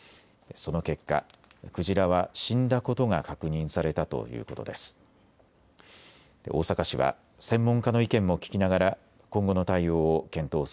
その結果、クジラは死んだことが確認されたということです。